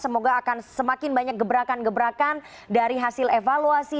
semoga akan semakin banyak gebrakan gebrakan dari hasil evaluasi